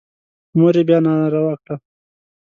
مور یې بیا ناره وکړه.